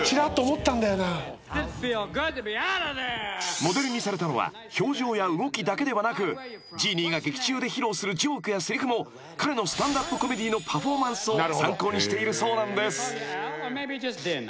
［モデルにされたのは表情や動きだけではなくジーニーが劇中で披露するジョークやせりふも彼のスタンドアップコメディーのパフォーマンスを参考にしているそうなんです］